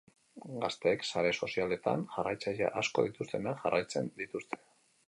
Gazteek sare sozialetan jarrailtzaile asko dituztenak jarraitzen dituzte.